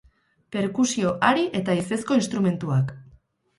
Perkusio, hari eta haizezko instrumentuak.